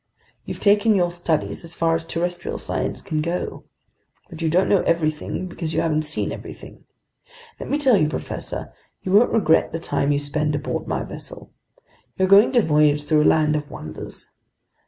You've taken your studies as far as terrestrial science can go. But you don't know everything because you haven't seen everything. Let me tell you, professor, you won't regret the time you spend aboard my vessel. You're going to voyage through a land of wonders.